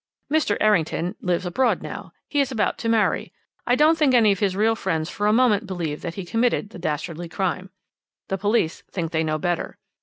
"Mr. Errington lives abroad now. He is about to marry. I don't think any of his real friends for a moment believed that he committed the dastardly crime. The police think they know better.